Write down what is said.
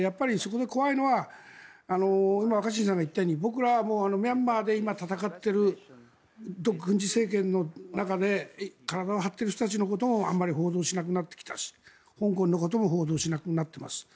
そこで怖いのは今、若新さんが言ったように僕らはミャンマーで戦っている軍事政権の中で体を張っている人たちのこともあまり報道しなくなってきたし香港のことも報道しなくなってます。